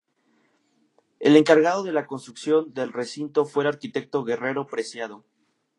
El encargado de la construcción del recinto fue el Arquitecto Guerrero Preciado.